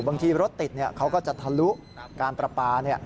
บางทีรถติดเขาก็จะทะลุการปรับปรา